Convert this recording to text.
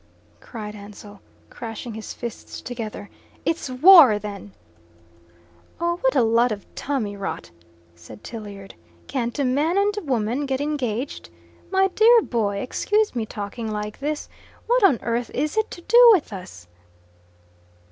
cried Ansell, crashing his fists together. "It's war, then!" "Oh, what a lot of tommy rot," said Tilliard. "Can't a man and woman get engaged? My dear boy excuse me talking like this what on earth is it to do with us?"